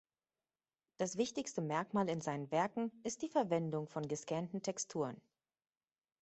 Das wichtigste Merkmal in seinen Werken ist die Verwendung von gescannten Texturen.